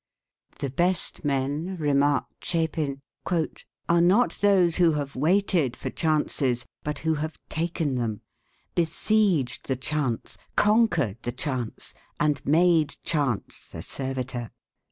"The best men," remarked Chapin, "are not those who have waited for chances, but who have taken them; besieged the chance; conquered the chance; and made chance the servitor."